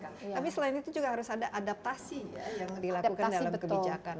tapi selain itu juga harus ada adaptasi yang dilakukan dalam kebijakan